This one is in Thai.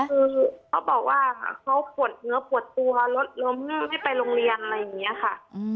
คือเขาบอกว่าเขาปวดเนื้อปวดตัวรถล้มไม่ไปโรงเรียนอะไรอย่างนี้ค่ะ